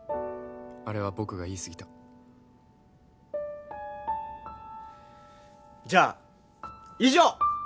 あれは僕が言いすぎたじゃあ以上！